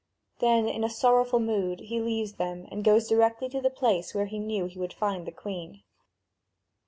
Then in sorrowful mood he leaves them and goes directly to the place where he knew he would find the Queen.